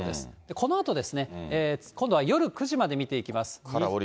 このあとですね、今度は夜９時まで見ていきます。